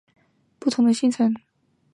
居住在不同县市